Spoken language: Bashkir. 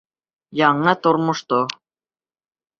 Яңы тормошто